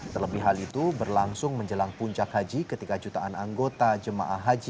terlebih hal itu berlangsung menjelang puncak haji ketika jutaan anggota jemaah haji